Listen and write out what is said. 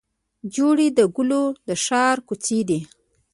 جوړې د ګلو د ښار کوڅې دي